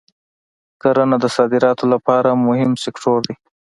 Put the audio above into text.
کرنه د صادراتو لپاره مهم سکتور دی.